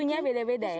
isunya beda beda ya